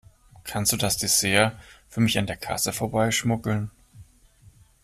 Kannst du das Dessert für mich an der Kasse vorbeischmuggeln?